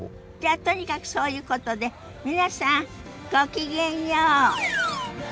じゃとにかくそういうことで皆さんごきげんよう。